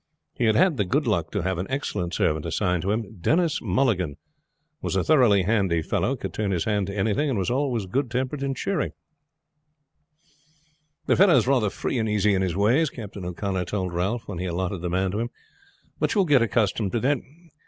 He had had the good luck to have an excellent servant assigned to him. Denis Mulligan was a thoroughly handy fellow, could turn his hand to anything, and was always good tempered and cheery. "The fellow is rather free and easy in his ways," Captain O'Connor told Ralph when he allotted the man to him; "but you will get accustomed to that.